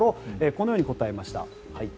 このように答えました。